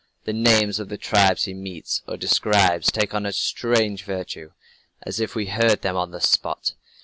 The names of the tribes he meets or describes take on a strange virtue, as if we heard them on the spot.